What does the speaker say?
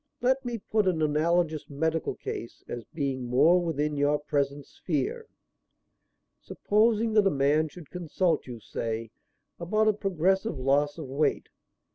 Let me put an analogous medical case as being more within your present sphere. Supposing that a man should consult you, say, about a progressive loss of weight.